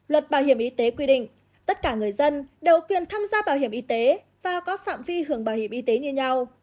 luật bảo hiểm y tế quy định tất cả người dân đều quyền tham gia bảo hiểm y tế và có phạm vi hưởng bảo hiểm y tế như nhau